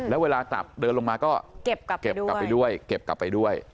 แล้วเวลาจับเดินลงมาก็เก็บกลับไปด้วยเก็บกลับไปด้วยเก็บกลับไปด้วย